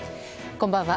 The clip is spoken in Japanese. こんばんは。